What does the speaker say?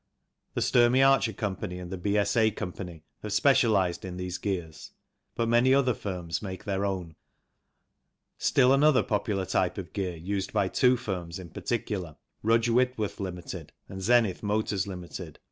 The Sturmey Archer Co. and the B.S.A. Co. have specialized in these gears, but many other firms make their own. Still another popular type of gear used by two firms in particular, Rudge Whit worth, Ltd. and Zenith Motors, Ltd.